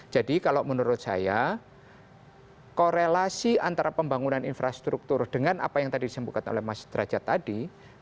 jadi kalau menurut saya korelasi antara pembangunan infrastruktur dengan apa yang tadi disimpulkan oleh mas derajat tadi